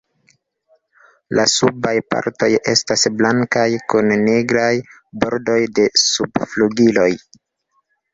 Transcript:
La subaj partoj estas blankaj, kun nigraj bordoj de subflugiloj.